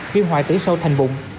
viên hoại tử sâu thành bụng